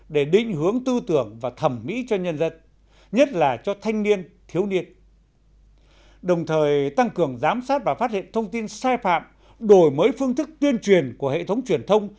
đồng thời tăng cường giám sát và phát hiện thông tin sai phạm đổi mới phương thức tuyên truyền của hệ thống truyền thông